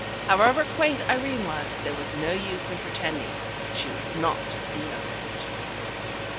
However quaint Irene was, there was no use in pretending that she was not the youngest.